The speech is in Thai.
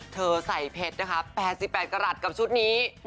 เธอใส่เพชรนะคะแปดสิบแปดกระหลัดกับชุดนี้